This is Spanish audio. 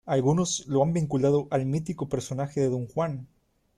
Algunas lo han vinculado al mítico personaje de Don Juan.